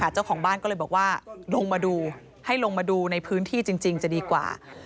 เจ้าของบ้านก็เลยบอกว่าลงมาดูให้ลงมาดูในพื้นที่จริงจะดีกว่า